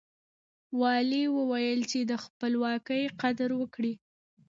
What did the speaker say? والي وويل چې د خپلواکۍ قدر وکړئ.